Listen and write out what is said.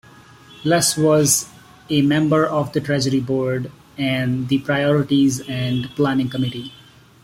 Les was a member of the Treasury Board and the Priorities and Planning Committee.